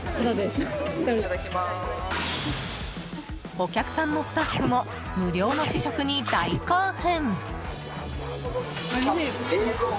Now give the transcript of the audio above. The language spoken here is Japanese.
お客さんもスタッフも無料の試食に大興奮！